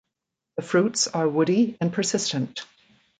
The fruits are woody and persistent.